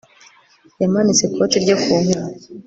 Yamanitse ikoti rye ku nkoni